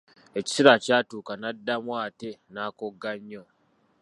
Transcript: Ekiseera kyatuuka n'addamu atte n'akogga nnyo.